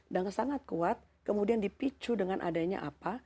dan sangat kuat kemudian dipicu dengan adanya apa